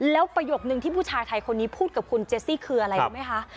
แล้วประโยคนึงที่ผู้ชายไทยคนนี้พูดกับคุณเจสซี่คืออะไรรู้ไหมคะ